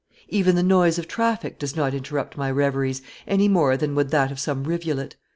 Even the noise of traffic does not interrupt my reveries any more than would that of some rivulet."